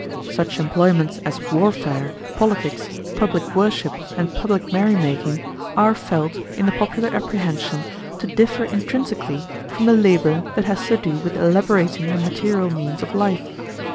Such employments as warfare, politics, public worship, and public merrymaking, are felt, in the popular apprehension, to differ intrinsically from the labour that has to do with elaborating the material means of life.